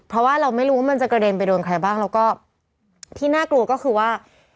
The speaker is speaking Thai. เพราะว่าเราไม่รู้ว่ามันจะกระเด็นไปโดนใครบ้างแล้วก็ที่น่ากลัวก็คือว่า